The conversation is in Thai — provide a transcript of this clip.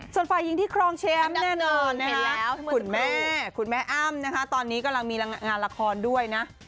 ส่วนฝ่ายหญิงที่ครองแชมป์แน่นอนคุณแม่คุณแม่อ้ำนะคะตอนนี้กำลังมีงานละครด้วยนะ